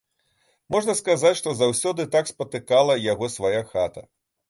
Можна сказаць, што заўсёды так спатыкала яго свая хата.